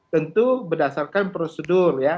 tentu berdasarkan prosedur ya